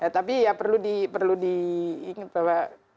tapi ya perlu diingat bahwa